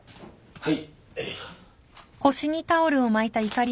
はい。